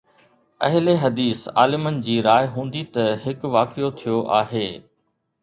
اهلحديث عالمن جي راءِ هوندي ته هڪ واقعو ٿيو آهي.